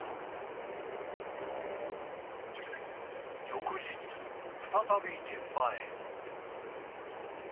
［翌日再び現場へ］